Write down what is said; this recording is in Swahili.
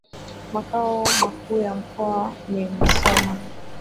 Makao makuu ya Mkoa ni Musoma